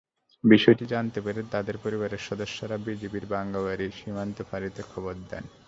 বিষয়টি জানতে পেরে তাঁদের পরিবারের সদস্যরা বিজিবির বাঙ্গাবাড়ী সীমান্ত ফাঁড়িতে খবর দেন।